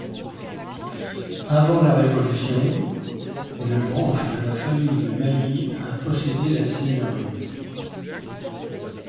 Avant la Révolution, une branche de la famille de Mailly a possédé la seigneurie.